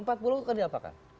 empat pulau itu kena apakan